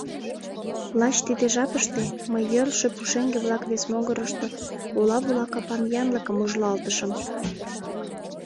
Лач тиде жапыште мый йӧрлшӧ пушеҥге-влак вес могырышто ола-вула капан янлыкым ужылалтышым.